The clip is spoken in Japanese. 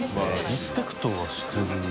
リスペクトはしてる。